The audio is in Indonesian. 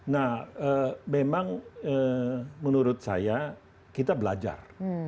nah memang menurut saya kita belajar